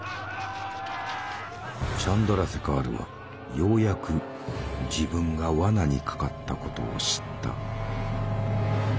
チャンドラセカールはようやく自分が罠にかかったことを知った。